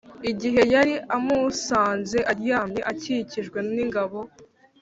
igihe yari amusanze aryamye akikijwe n’ingabo